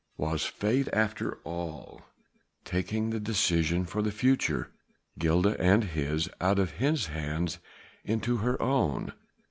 Was Fate after all taking the decision for the future Gilda's and his out of his hands into her own?